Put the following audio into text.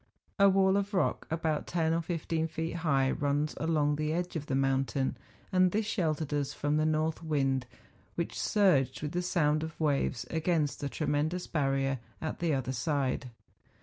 A wall of rock, about ten or fifteen feet high, runs along the edge of the mountain, and this sheltered us from the north wind, which, surged with the sound of waves against the tremendous barrier at the other side.